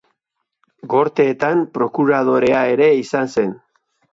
Gorteetan prokuradorea ere izan zen.